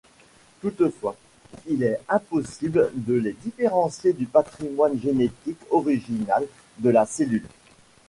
Toutefois, il est impossible de les différencier du patrimoine génétique original de la cellule.